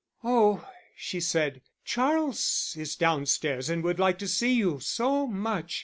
"Oh," she said, "Charles is downstairs and would like to see you so much.